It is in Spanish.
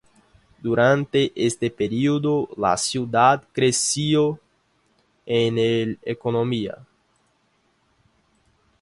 Durante este período, la ciudad creció en economía.